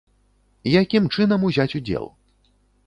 Якім чынам узяць удзел?